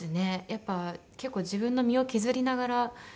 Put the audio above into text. やっぱり結構自分の身を削りながら。